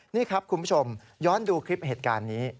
นี่ครับคุณผู้ชมย้อนดูคลิปเหตุการณ์นี้